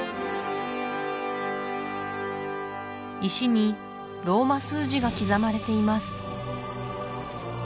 石にローマ数字が刻まれています